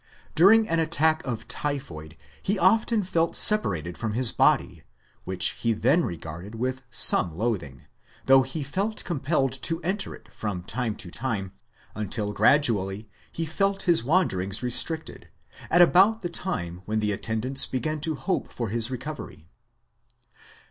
During an attack of typhoid he often felt separated from his body, which he then regarded with some loathing, though he felt compelled to enter it from time to time; until gradually he felt his wanderings restricted, at about the time when the attendants began to hope for his recovery.